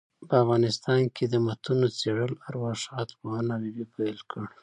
په افغانستان کي دمتونو څېړل ارواښاد پوهاند حبیبي پيل کړ.